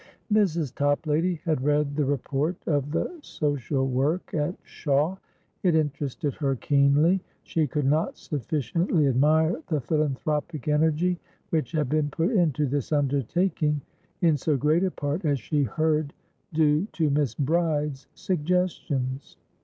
Mrs. Toplady had read the report of the social work at Shawe; it interested her keenly; she could not sufficiently admire the philanthropic energy which had been put into this undertakingin so great a part, as she heard, due to Miss Bride's suggestions.